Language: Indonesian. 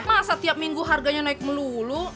masa tiap minggu harganya naik melulu